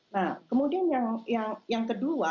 nah kemudian yang kedua